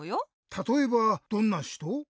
たとえばどんなひと？